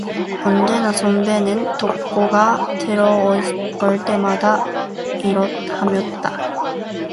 언제나 선비는 덕호가 들어올 때마다 이러하였다.